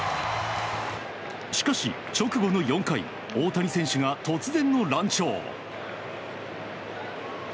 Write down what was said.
しかし、直後の４回大谷選手が突然の乱調。